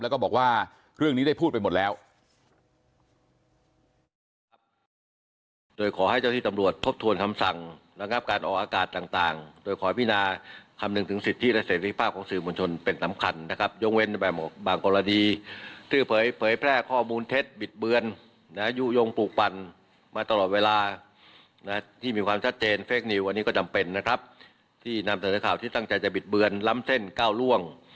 แล้วก็บอกว่าเรื่องนี้ได้พูดไปหมดแล้ว